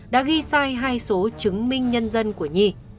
đã ghi sai hai số chứng minh nhân dân của nhi